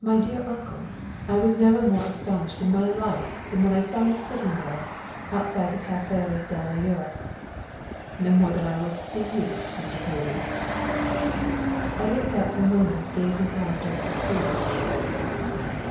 "My dear uncle, I was never more astonished in my life than when I saw you sitting there, outside the Café de l'Europe." "Not more than I was to see you, Mr. Povey." Edward sat for a moment gazing out over the sea.